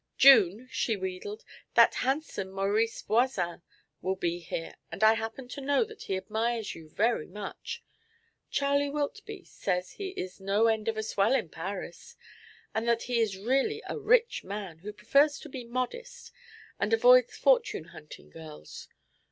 '"June," she wheedled, "that handsome Maurice Voisin will be here, and I happen to know that he admires you very much. Charlie Wiltby says he is no end of a swell in Paris, and that he is really a rich man, who prefers to be modest, and avoids fortune hunting girls.